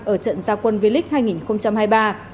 ở trận gia quân v league hai nghìn hai mươi ba